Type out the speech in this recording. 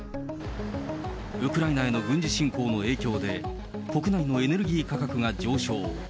ウクライナへの軍事侵攻の影響で、国内のエネルギー価格が上昇。